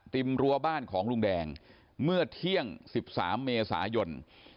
รั้วบ้านของลุงแดงเมื่อเที่ยง๑๓เมษายน